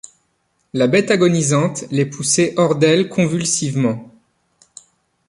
La bête agonisante les poussait hors d’elle convulsivement.